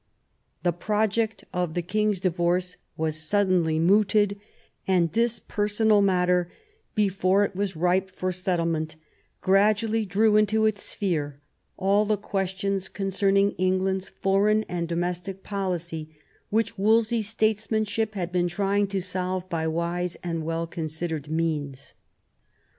The project of the king's divorce was suddenly mooted; and this personal matter, before it was ripe for settlement, gradually drew into its sphere all the questions concerning England's foreign and domestic policy which Wolsey's statesmanship had T been trying to solve by wise and well considered means.